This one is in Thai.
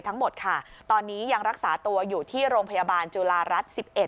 ทั้งหมดค่ะตอนนี้ยังรักษาตัวอยู่ที่โรงพยาบาลจุฬารัฐ๑๑